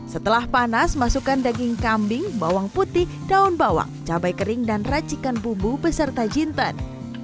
setelah panas masukkan daging kambing bawang putih daun bawang cabai kering dan racikan bumbu beserta jinten